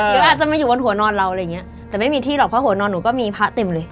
หรืออาจจะมาอยู่บนหัวนอนเราอะไรอย่างเงี้ยแต่ไม่มีที่หรอกเพราะหัวนอนหนูก็มีพระเต็มเลย